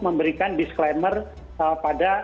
memberikan disclaimer pada